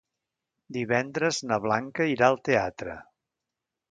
Divendres na Blanca irà al teatre.